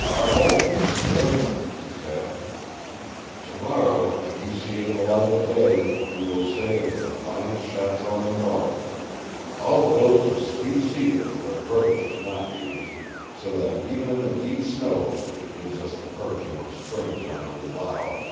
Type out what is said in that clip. "Our home, m'sieu," he said. "Tomorrow, when you see it in the light of day, you will say it is the finest chateau in the north all built of sweet cedar where birch is not used, so that even in the deep snows it gives us the perfume of springtime and flowers."